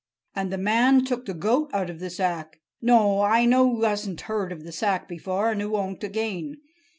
And the man took the goat out of the sack.... No, I know oo hasn't heard of the sack before, and oo won't again....